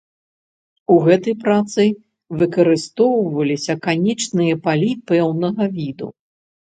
У гэтай працы выкарыстоўваліся канечныя палі пэўнага віду.